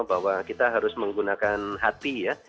bahwa kita harus menggunakan hati ya